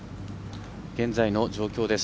現在の状況です。